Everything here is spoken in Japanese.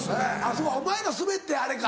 そうかお前らスベってあれか。